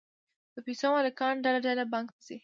د پیسو مالکان ډله ډله بانک ته ځي